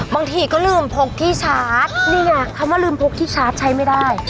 บางทีก็ลืมพกที่ชาร์จนี่ไงคำว่าลืมพกที่ชาร์จใช้ไม่ได้